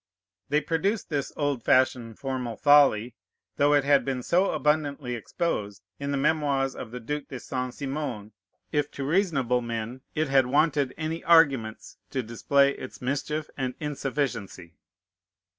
They produced this old fashioned formal folly, though it had been so abundantly exposed in the Memoirs of the Duke de Saint Simon, if to reasonable men it had wanted any arguments to display its mischief and insufficiency.